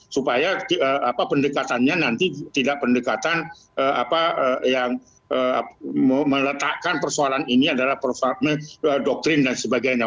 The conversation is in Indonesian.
supaya pendekatannya nanti tidak pendekatan yang meletakkan persoalan ini adalah doktrin dan sebagainya